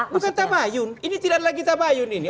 bukan tabayun ini tidak lagi tabayun ini